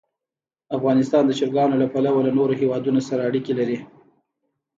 افغانستان د چرګانو له پلوه له نورو هېوادونو سره اړیکې لري.